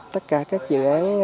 tất cả các dự án